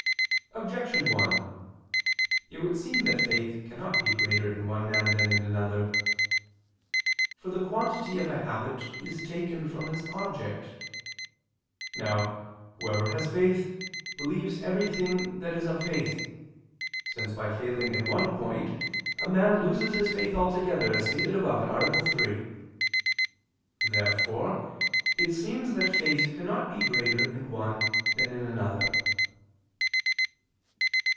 Objection 1: It would seem that faith cannot be greater in one man than in another. For the quantity of a habit is taken from its object. Now whoever has faith believes everything that is of faith, since by failing in one point, a man loses his faith altogether, as stated above (A. 3). Therefore it seems that faith cannot be greater in one than in another.